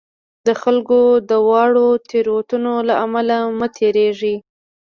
د خلکو له واړو تېروتنو له امله مه تېرېږئ.